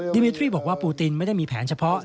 มิตรีทรี่บอกว่าปูตินไม่ได้มีแผนเฉพาะ